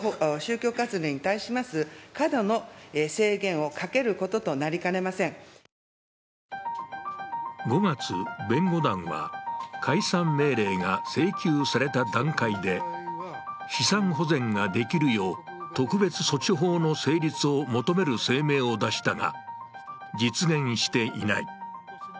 去年１２月、この点を野党が国会で追及したが５月、弁護団は、解散命令が請求された段階で資産保全ができるよう特別措置法の成立を求める声明を出したが、実現していない。